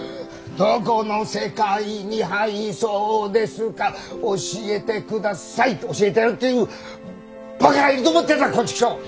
どこの世界にはいそうですか教えてくださいと教えてやるっていうバカがいると思ってんだコンチキショウ！